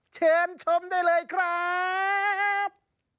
เชิญชมได้เลยครับ